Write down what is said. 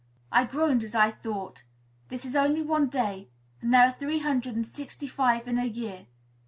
I groaned as I thought, "This is only one day, and there are three hundred and sixty five in a year!"